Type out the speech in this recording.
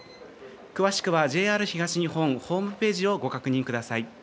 詳しくはＪＲ東日本ホームページをご確認ください。